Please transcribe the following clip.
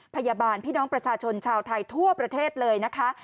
พยาบาลพี่น้องประชาชนชาวไทยทั่วประเทศเลยนะคะ